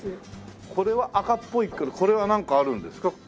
これは赤っぽいけどこれはなんかあるんですか？